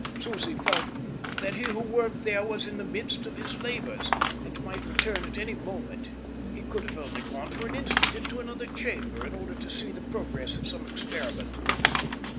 Susie felt that he who worked there was in the midst of his labours, and might return at any moment; he could have only gone for an instant into another chamber in order to see the progress of some experiment.